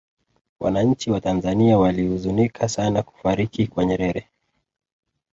wananchi wa tanzania walihuzunika sana kufariki kwa nyerere